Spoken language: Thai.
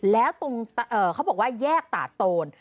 แล้วเขาบอกว่าแยกต่าโตน